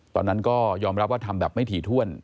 ตอนนั้นก็ยอมรับว่าทำแบบไม่ถี่ถ้วน